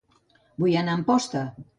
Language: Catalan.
Vull anar a Amposta